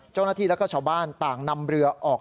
เจ้านาฏธิและชาวบ้านต่างนำเรือออก